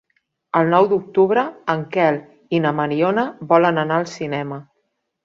El nou d'octubre en Quel i na Mariona volen anar al cinema.